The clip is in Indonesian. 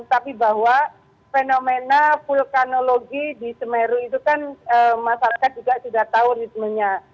tapi bahwa fenomena vulkanologi di semeru itu kan masyarakat juga sudah tahu ritmenya